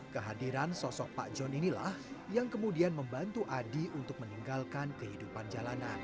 kehadiran sosok pak john inilah yang kemudian membantu adi untuk meninggalkan kehidupan jalanan